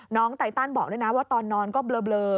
ไตตันบอกด้วยนะว่าตอนนอนก็เบลอ